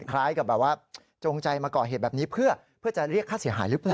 คล้ายกับแบบว่าจงใจมาก่อเหตุแบบนี้เพื่อจะเรียกค่าเสียหายหรือเปล่า